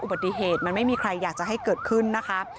อุบัติเหตุมันไม่มีใครอยากจะให้เกิดขึ้นนะคะ